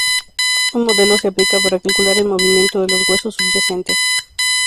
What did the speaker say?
Un modelo se aplica para calcular el movimiento de los huesos subyacentes.